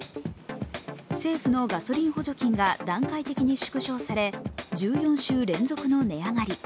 政府のガソリン補助金が段階的に縮小され１４週連続の値上がり。